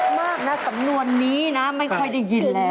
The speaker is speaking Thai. มากนะสำนวนนี้นะไม่ค่อยได้ยินแล้ว